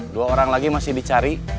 dua orang lagi masih dicari